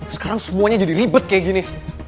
sekarang semuanya jadi ribet kayak gini